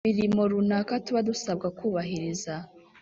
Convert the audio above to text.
umirimo runaka tuba dusabwa kubahiriza.